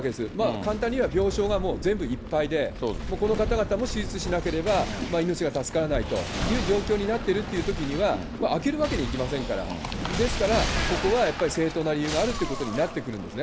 簡単に言えば、病床がもう全部いっぱいで、もうこの方々も手術しなければ、命が助からないという状況になっているっていうときには、あけるわけにいきませんから、ですから、ここはやっぱり正当な理由があるということになってくるんですね。